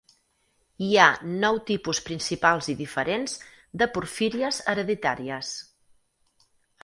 Hi ha nou tipus principals i diferents de porfíries hereditàries.